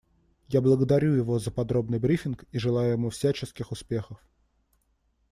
Я благодарю его за подробный брифинг и желаю ему всяческих успехов.